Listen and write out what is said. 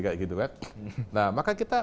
kayak gitu kan nah maka kita